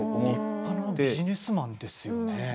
立派なビジネスマンですよね。